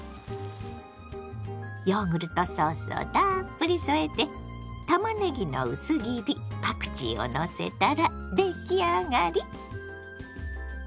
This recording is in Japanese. ヨーグルトソースをたっぷり添えてたまねぎの薄切りパクチーをのせたら出来上がり。